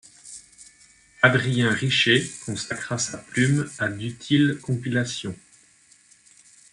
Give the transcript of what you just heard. Adrien Richer consacra sa plume à d’utiles compilations.